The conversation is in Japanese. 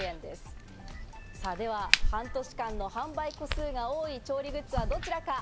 さあ、では半年間の販売個数が多い調理グッズはどちらか？